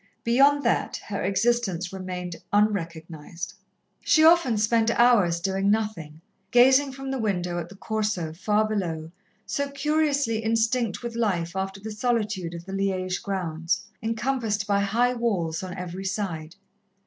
Beyond that, her existence remained unrecognized. She often spent hours doing nothing, gazing from the window at the Corso far below, so curiously instinct with life after the solitude of the Liège grounds, encompassed by high walls on every side.